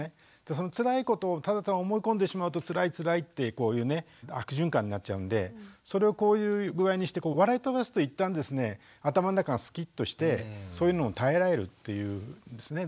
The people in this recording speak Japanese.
そのつらいことをただただ思い込んでしまうとつらいつらいってこういうね悪循環になっちゃうんでそれをこういう具合にして笑い飛ばすと一旦ですね頭の中がスキッとしてそういうのを耐えられるっていうんですね。